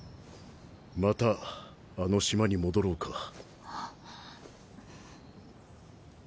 またあの島に戻ろうか。